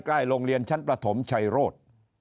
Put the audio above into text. โรงเรียนชั้นประถมชัยโรธ